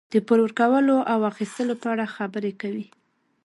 د پور ورکولو او اخیستلو په اړه خبرې کوي.